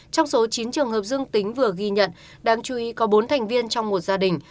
trong số chín trường hợp dương tính vừa ghi nhận đáng chú ý có bốn thành viên trong một gia đình